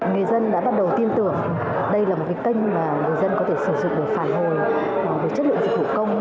người dân đã bắt đầu tin tưởng đây là một cái kênh mà người dân có thể sử dụng để phản hồi về chất lượng dịch vụ công